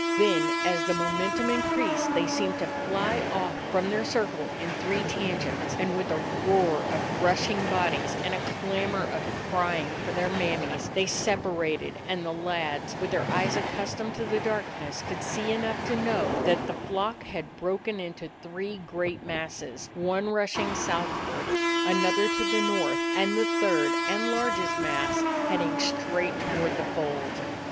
Then as the momentum in creased they seemed to fly off from their circle in three tangents; and with a roar of rush 87 DOG HEROES OF MANY LANDS ing bodies and a clamor of crying for their mammies, they separated, and the lads, with their eyes accustomed to the darkness, could see enough to know that the flock had broken into three great masses, one rushing south ward, another to the north, the third and larg est mass heading straight toward the fold.